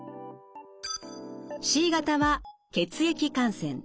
Ｃ型は血液感染。